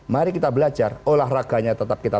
mari kita belajar olahraganya tetap kita